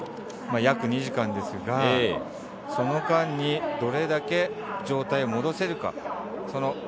約２時間ですが、その間にどれだけ状態を戻せるか。